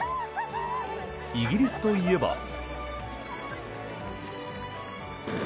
イギリスといえば。